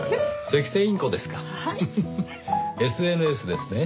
ＳＮＳですね。